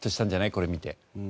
これ見て。